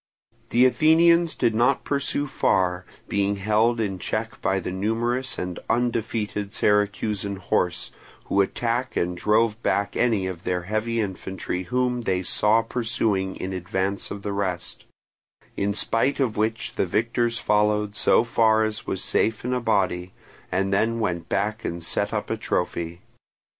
The Athenians did not pursue far, being held in check by the numerous and undefeated Syracusan horse, who attacked and drove back any of their heavy infantry whom they saw pursuing in advance of the rest; in spite of which the victors followed so far as was safe in a body, and then went back and set up a trophy.